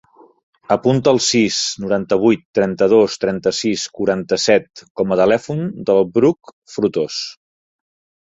Apunta el sis, noranta-vuit, trenta-dos, trenta-sis, quaranta-set com a telèfon del Bruc Frutos.